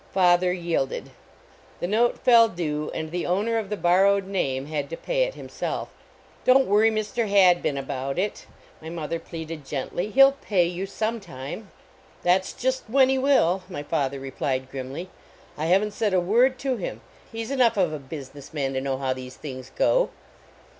Father yielded; the note fell due, and the owner of the borrowed name had to pay it himself. "Don t worry Mr. lladbin about it," my 153 A NKKJlinoRLY NEIGHBORHOOD mother pleaded, gently, he ll pay you some time." " That s just when he will," my father re plied, grimly. I haven t said a word to him ; he s enough of a business man to know how these things go."